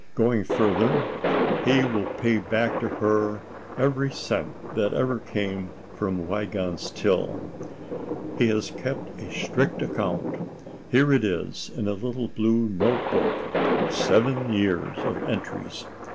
Going further, he will pay back to her every cent that ever came from Wiegand's till. He has kept a strict account. Here it is, in a little blue notebook—seven years of entries.